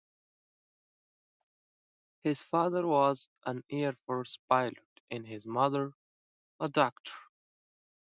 His father was an Air Force pilot and his mother a doctor.